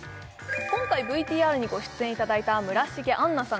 今回ＶＴＲにご出演いただいた村重杏奈さん